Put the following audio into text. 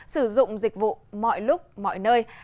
sử dụng dịch vụ mọi lúc mọi nơi